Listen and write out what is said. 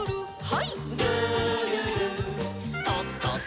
はい。